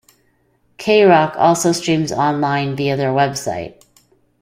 K-Rock also streams online via their website.